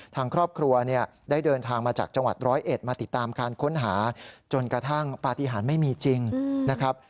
ทางครอบครัวเนี่ยได้เดินทางมาจากจังหวัดร้อยเอ็ดมาติดตามการค้นหาจนกระทั่งปฏิหารไม่มีจริงนะครับ